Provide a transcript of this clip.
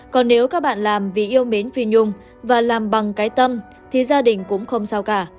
còn nếu các bạn làm vì yêu mến phi nhung và làm bằng cái tâm thì gia đình cũng không sao cả